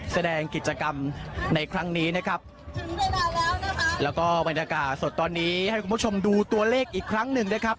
แสดงกิจกรรมในครั้งนี้นะครับแล้วก็บรรยากาศสดตอนนี้ให้คุณผู้ชมดูตัวเลขอีกครั้งหนึ่งนะครับ